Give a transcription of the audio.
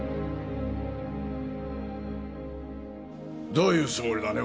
どういうつもりだね？